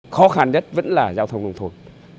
khó khăn nhất vẫn là giao thông nông thôn